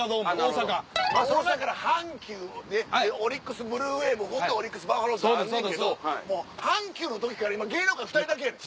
阪急でオリックス・ブルーウェーブおってオリックス・バファローズがあんねんけど阪急の時から芸能界２人だけやねん。